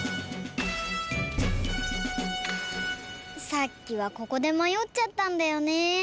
さっきはここでまよっちゃったんだよね。